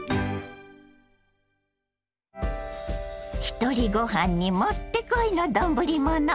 ひとりごはんにもってこいの丼物。